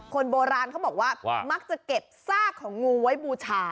คนโบราณเขาบอกว่ามักจะเก็บซากของงูไว้บูชา